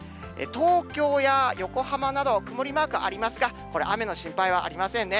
東京や横浜など、曇りマークありますが、これ雨の心配はありませんね。